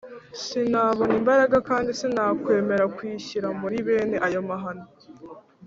sinabona imbaraga kandi sinakwemera kwishyira muri bene ayo mahano.